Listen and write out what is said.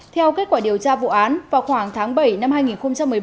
theo kết quả điều tra vụ án vào khoảng tháng bảy năm hai nghìn một mươi bốn